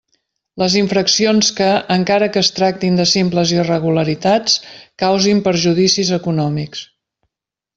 Les infraccions que, encara que es tractin de simples irregularitats, causin perjudicis econòmics.